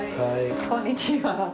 こんにちは。